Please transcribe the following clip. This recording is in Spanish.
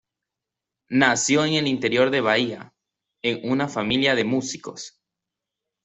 Nació en el interior de Bahía, en una familia de músicos.